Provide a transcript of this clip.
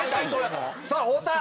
さあ太田。